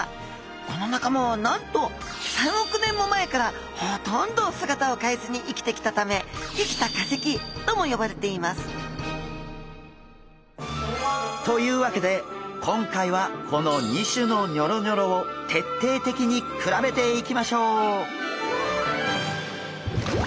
この仲間はなんと３億年も前からほとんど姿をかえずに生きてきたため生きた化石とも呼ばれていますというわけで今回はこの２種のニョロニョロを徹底的に比べていきましょう！